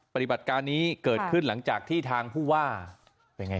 ปฏิบัติการนี้เกิดขึ้นหลังจากที่ทางผู้ว่าเป็นไง